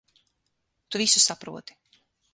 Tu visu saproti.